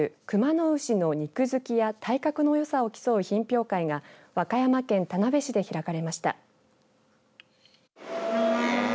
野牛の肉づきや体格の良さを競う品評会が和歌山県田辺市で開かれました。